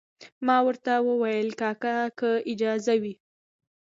ما ورته وویل کاکا که اجازه وي.